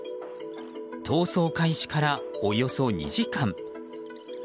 逃走開始からおよそ２時間。